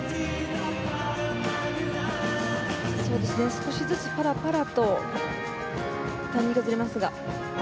少しずつパラパラとタイミングがずれますが。